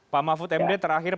pak mahfud md terakhir